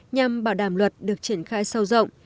nhằm bảo đảm luật được triển khai sâu rộng